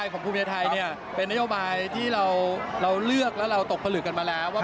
คือแล้วเราเลือกแล้วเราตกผลต่อมาแล้ว